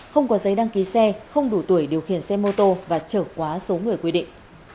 không có giấy đăng ký xe không đủ tuổi điều khiển xe mô tô và trở quá số người quy định